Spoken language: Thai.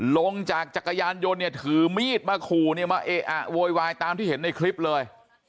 ลงจากจักรยานยนต์เนี่ยถือมีดมาขู่เนี่ยมาเอะอะโวยวายตามที่เห็นในคลิปเลย